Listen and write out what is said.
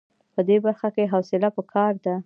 په دې برخه کې حوصله په کار ده.